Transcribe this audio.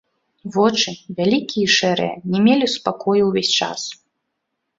Вочы, вялікія і шэрыя, не мелі спакою ўвесь час.